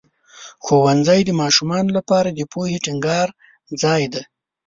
ښوونځی د ماشومانو لپاره د پوهې ټینګار ځای دی.